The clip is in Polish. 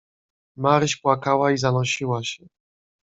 "Maryś płakała i zanosiła się."